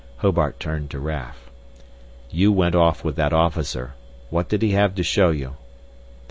Hobart turned to Raf. "You went off with that officer. What did he have to show you?"